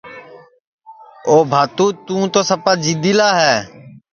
او بھاتُو تُوں تو سپا جِدی لا ہے